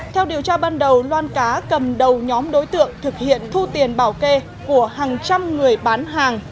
theo điều tra ban đầu loan cá cầm đầu nhóm đối tượng thực hiện thu tiền bảo kê của hàng trăm người bán hàng